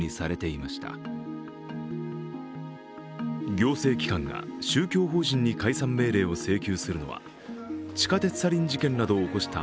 行政機関が、宗教法人に解散命令を請求するのは、地下鉄サリン事件などを起こした